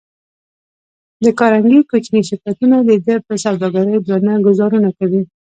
د کارنګي کوچني شرکتونه د ده پر سوداګرۍ درانه ګوزارونه کوي.